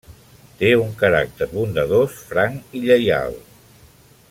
Té un caràcter bondadós, franc i lleial.